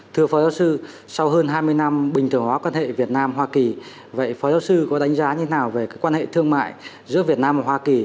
thưa phó giáo sư sau hơn hai mươi năm bình thường hóa quan hệ việt nam hoa kỳ vậy phó giáo sư có đánh giá như thế nào về quan hệ thương mại giữa việt nam và hoa kỳ